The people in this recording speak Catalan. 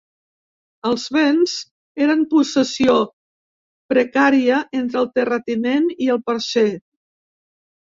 Els béns eren en possessió precària entre el terratinent i el parcer.